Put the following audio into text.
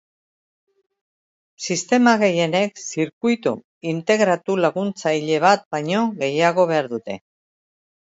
Sistema gehienek zirkuitu integratu laguntzaile bat baino gehiago behar dute.